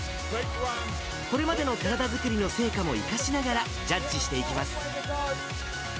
これまでの体作りの成果も生かしながら、ジャッジしていきます。